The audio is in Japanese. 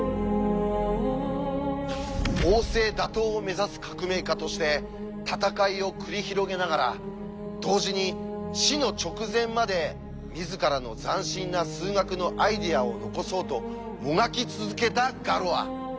王政打倒を目指す革命家として戦いを繰り広げながら同時に死の直前まで自らの斬新な数学のアイデアを残そうともがき続けたガロア。